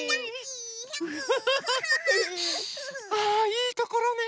あいいところね